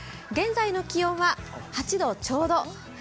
現在の気温は８度ちょうど。